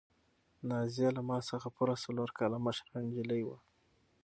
نازیه له ما څخه پوره څلور کاله مشره نجلۍ وه.